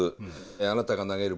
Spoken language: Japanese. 「あなたが投げるボール。